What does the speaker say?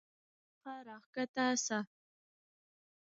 د اطاق څخه راکښته سه.